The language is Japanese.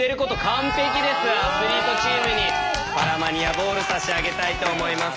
アスリートチームにパラマニアボール差し上げたいと思います。